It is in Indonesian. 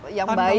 nah pandang lah ya